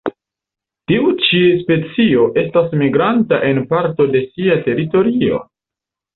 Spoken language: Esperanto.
Tiu ĉi specio estas migranta en parto de sia teritorio.